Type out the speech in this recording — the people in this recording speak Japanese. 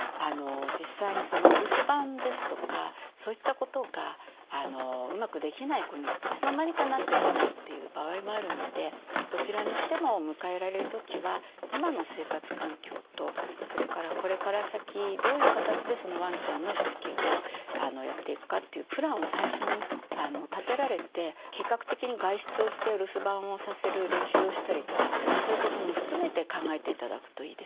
実際にお留守番ですとかそういったことがうまくできない子にいつの間にかなってしまうという場合もあるのでどちらにしても迎えられる時は今の生活環境とそれからこれから先どういう形でそのワンちゃんのしつけをやっていくかというプランを最初に立てられて計画的に外出をしてお留守番をさせる練習をしたりとかそういうことも含めて考えて頂くといいですよね。